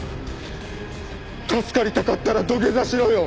助かりたかったら土下座しろよ！